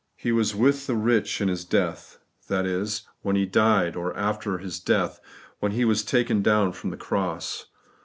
He was 'with the rich in His death ;* that is, when He died, or after His death, when He was taken down from the cross.